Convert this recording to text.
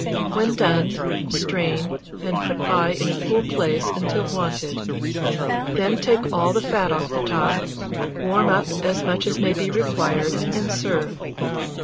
When done, strain, and put by in a cool place until wanted; then take all the fat off the top, warm up as much as may be required, and serve.